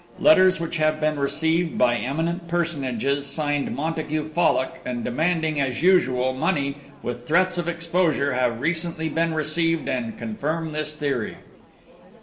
Letters which have been received by eminent personages signed 'Montague Fallock' and demanding, as usual, money with threats of exposure have recently been received and confirm this theory."